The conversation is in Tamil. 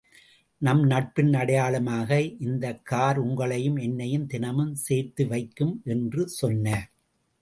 நம் நட்பின் அடையாளமாக இந்தக் கார் உங்களையும் என்னையும் தினமும் சேர்த்து வைக்கும், என்று சொன்னார்.